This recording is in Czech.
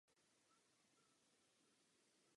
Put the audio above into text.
Rozvoj turistického ruchu prospívá také obchodu.